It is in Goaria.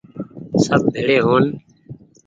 سب ڀيڙي هون ۔